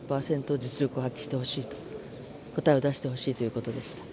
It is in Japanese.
実力を発揮してほしい、答えを出してほしいということでした。